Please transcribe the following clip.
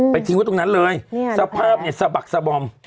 ทิ้งไว้ตรงนั้นเลยสภาพเนี่ยสะบักสะบอม